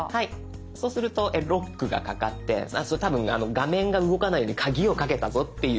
そうするとロックがかかって多分画面が動かないように鍵をかけたぞっていう。